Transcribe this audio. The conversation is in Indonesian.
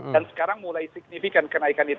dan sekarang mulai signifikan